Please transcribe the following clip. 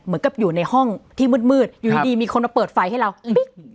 อยู่ในห้องที่มืดอยู่ดีมีคนมาเปิดไฟให้เราบิ๊ก